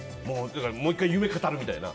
もう１回、夢を語るみたいな。